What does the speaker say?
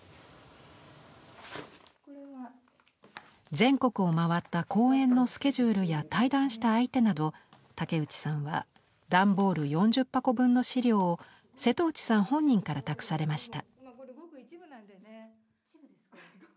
全国をまわった講演のスケジュールや対談した相手など竹内さんは段ボール４０箱分の資料を瀬戸内さん本人から託されました。